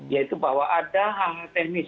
yaitu bahwa ada hal teknis